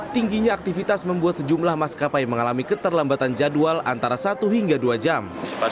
tingginya aktivitas membuat sejumlah maskapai mengalami keterlambatan jadwal antara satu hingga dua jam